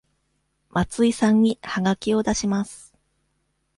松井さんにはがきを出します。